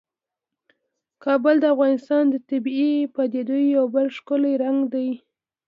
کابل د افغانستان د طبیعي پدیدو یو بل ښکلی رنګ دی.